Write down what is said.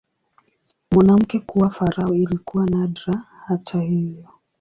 Mwanamke kuwa farao ilikuwa nadra, hata hivyo.